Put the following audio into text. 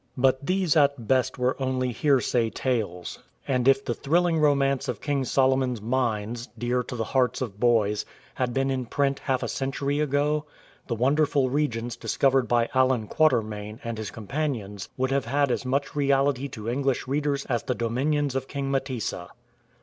But these at the best were only hearsay tales, and if the STANLEY'S LETTER thrilling romance of King Solojnori's Alines, dear to the hearts of boys, had been in print half a century ago, the wonderful regions discovered by Allan Quatermain and his companions would have had as much reality to English readers as the dominions of King Mtesa.